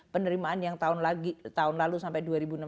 penerimaan yang tahun lalu sampai dua enam ratus dua puluh enam